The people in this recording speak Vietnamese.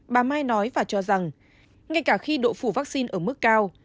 bà mai nói và cho rằng ngay cả khi độ phủ vaccine ở mức cao